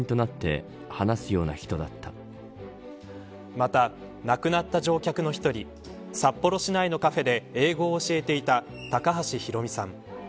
また、亡くなった乗客の１人札幌市内のカフェで英語を教えていた高橋裕美さん。